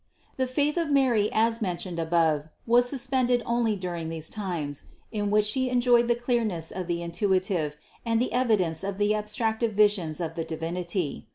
The faith of Mary as men tioned above, was suspended only during those times, in which She enjoyed the clearness of the intuitive, and the THE CONCEPTION 383 evidence of the abstractive visions of the Divinity.